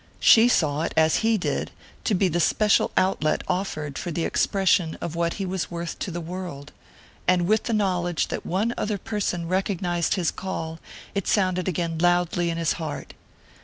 She saw it, as he did, to be the special outlet offered for the expression of what he was worth to the world; and with the knowledge that one other person recognized his call, it sounded again loudly in his heart.